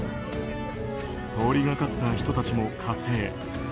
通りがかった人たちも加勢。